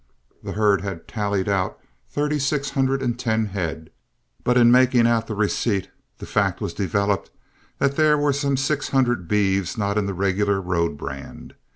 The herd had tallied out thirty six hundred and ten head, but in making out the receipt, the fact was developed that there were some six hundred beeves not in the regular road brand.